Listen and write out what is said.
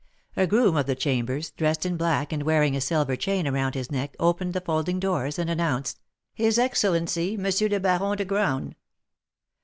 A groom of the chambers, dressed in black and wearing a silver chain around his neck, opened the folding doors and announced: "His Excellency M. le Baron de Graün."